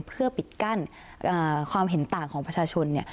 เพื่อปิดกั้นความเห็นต่างของประชาชนเนี่ย